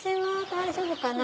大丈夫かな？